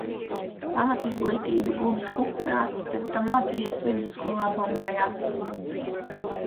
Pamatizglītību guvis Kukurā, pēc tam mācījies vidusskolā Bombejā.